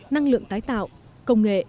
năng lượng tái tạo công nghệ